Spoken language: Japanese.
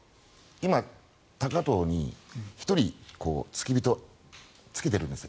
今、高藤に１人付き人をつけているんですよ。